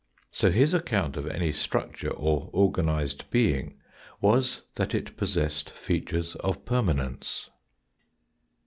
So his account of any structure or organised being was that it possessed features of permanence.